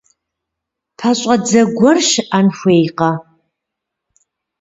ПэщӀэдзэ гуэр щыӀэн хуейкъэ?